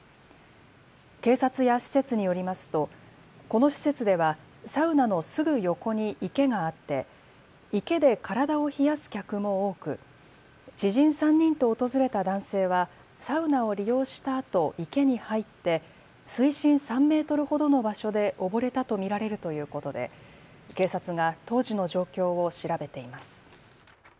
警察や施設によりますとこの施設ではサウナのすぐ横に池があって池で体を冷やす客も多く知人３人と訪れた男性はサウナを利用したあと池に入って水深３メートルほどの場所で溺れたと見られるということで警察が当時の状況を調べています。